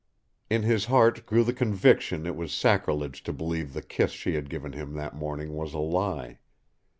In his heart grew the conviction it was sacrilege to believe the kiss she had given him that morning was a lie.